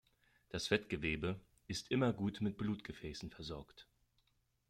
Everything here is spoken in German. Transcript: Das Fettgewebe ist immer gut mit Blutgefäßen versorgt.